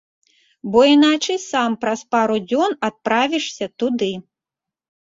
Бо іначай сам праз пару дзён адправішся туды!